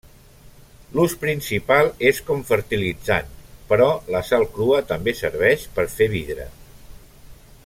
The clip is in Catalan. L’ús principal és com fertilitzant però la sal crua també serveix per fer vidre.